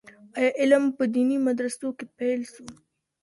آيا علم په ديني مدرسو کي پيل سو؟